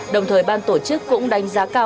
đồng thời ban tổ chức cũng đánh giá